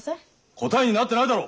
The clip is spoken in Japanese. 答えになってないだろ！